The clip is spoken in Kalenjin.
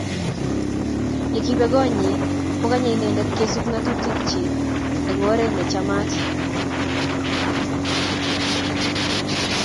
Yekibe kot nyi, kokanye Inendet kesub ngatutik chik eng oret nechamat